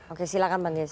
oke silakan bang deddy